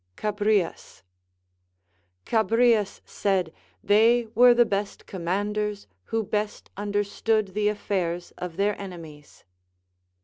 Chabrtas. Chabrias said, they "were the best commanders who best understood the affairs of their enemies.